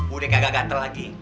udah kagak gatel lagi